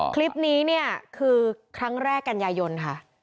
คลิปนี้เนี่ยคือครั้งแรกกันยายนค่ะ